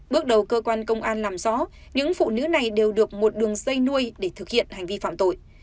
bước đầu cơ quan công an làm rõ những phụ nữ này đều được một đường dây nuôi để thực hiện hành vi phạm tội